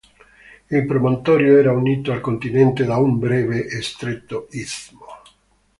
Il promontorio era unito al continente da un breve e stretto istmo.